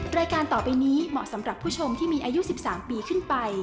รายการต่อไปนี้เหมาะสำหรับผู้ชมที่มีอายุ๑๓ปีขึ้นไป